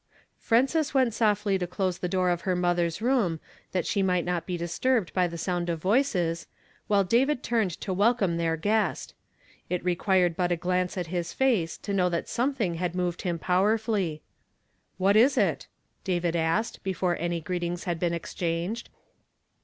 Frances went softly to close the door of her mother's room that she might not be disturbed by the sound of voices, while David turned to wel come their guest. It required but a glance at his face to know that something had moved him powerfully. " What is it ?" David asked, before any greet ings had been exchanged.